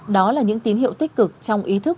đó là những tín hiệu tích cực trong ý thức